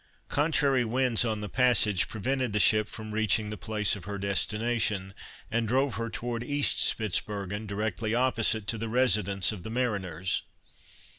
Contrary winds on the passage prevented the ship from reaching the place of her destination, and drove her towards East Spitzbergen, directly opposite to the residence of the mariners.